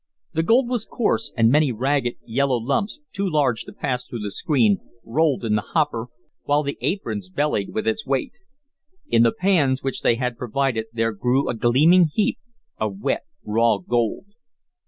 The gold was coarse, and many ragged, yellow lumps, too large to pass through the screen, rolled in the hopper, while the aprons bellied with its weight. In the pans which they had provided there grew a gleaming heap of wet, raw gold.